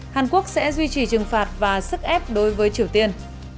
hàn quốc sẽ duy trì trừng phạt và sức ép đối với triều tiên